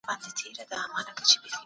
هغه شتمني چي راټوله سوې وه باد سوه.